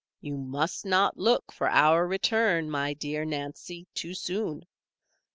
You must not look for our return, my dear Nancy, too soon.